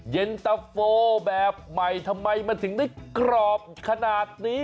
เย็นตะโฟแบบใหม่ทำไมมันถึงได้กรอบขนาดนี้